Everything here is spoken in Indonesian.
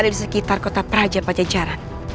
di sekitar kota praja pada jalan